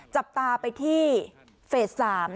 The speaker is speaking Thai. จับตาไปที่เฟส๓